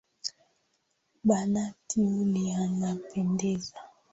Banati yule anapendeza.